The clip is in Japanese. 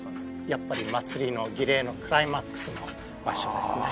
やっぱり祭りの儀礼のクライマックスの場所ですね